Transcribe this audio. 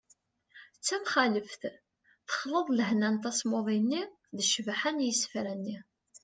d tamxaleft : texleḍ lehna n tasmuḍi-nni d ccbaḥa n yisefra-nni